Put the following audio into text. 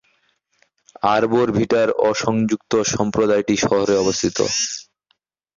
আরবোর ভিটার অ-সংযুক্ত সম্প্রদায়টি শহরে অবস্থিত।